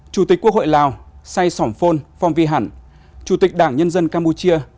chủ tịch quốc hội lào sai sỏm phôn phong vi hẳn chủ tịch đảng nhân dân campuchia